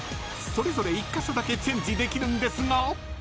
［それぞれ１カ所だけチェンジできるんですが］